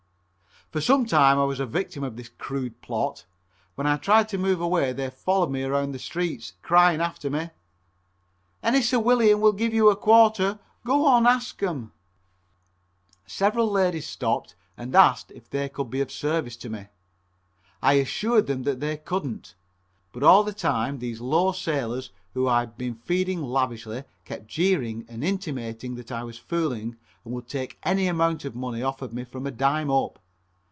For some time I was a victim of this crude plot. When I tried to move away they followed me around the streets, crying after me: "Any 'ciwilian' will give you a quarter. Go on an' ask them." Several ladies stopped and asked if they could be of any service to me. I assured them that they couldn't, but all the time these low sailors whom I had been feeding lavishly kept jeering and intimating that I was fooling and would take any amount of money offered me from a dime up.